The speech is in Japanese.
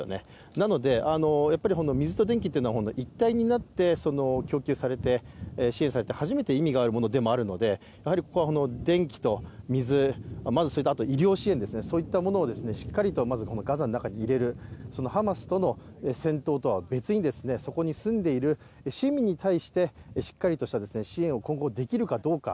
なので水と電気というのは一体になって供給されて、支援されて初めて意味があるものでもあるのでここは電気と水、あと医療支援ですね、そういったものをしっかりとガザの中に入れるハマスとの戦闘とは別にそこに住んでいる市民に対してしっかりとした支援を今後できるかどうか。